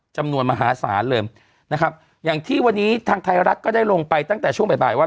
จำนวนมหาศาลเลยนะครับอย่างที่วันนี้ทางไทยรัฐก็ได้ลงไปตั้งแต่ช่วงบ่ายบ่ายว่า